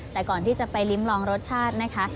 แต่ก่อนที่จะไปลิ้มลองรสชาตินะคะ